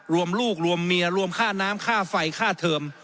รวมลูกรวมเมียรวมค่าน้ำค่าไฟค่าเทอม